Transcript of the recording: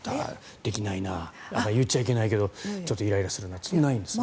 できないな言っちゃいけないけどちょっとイライラするなっていうのはないんですか？